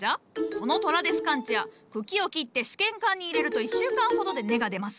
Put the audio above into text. このトラデスカンチア茎を切って試験管に入れると１週間ほどで根が出ます。